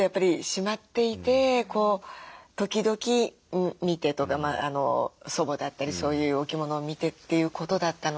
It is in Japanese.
しまっていて時々見てとか祖母だったりそういうお着物を見てということだったのでね